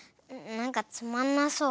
なんかつまんなそう。